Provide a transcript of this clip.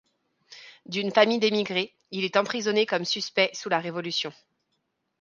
D'une famille d'émigrés, il est emprisonné comme suspect sous la Révolution.